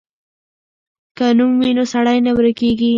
که نوم وي نو سړی نه ورکېږي.